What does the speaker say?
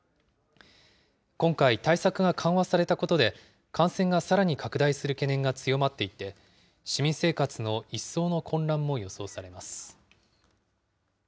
今回、対策が緩和されたことで、感染がさらに拡大する懸念が強まっていて、市民生活の一層の混乱も予想されます。